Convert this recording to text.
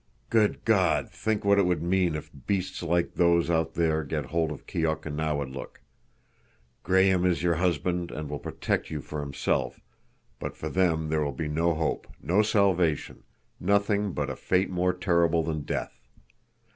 "Good God, think what it will mean if beasts like those out there get hold of Keok and Nawadlook! Graham is your husband and will protect you for himself, but for them there will be no hope, no salvation, nothing but a fate more terrible than death.